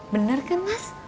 bener kan mas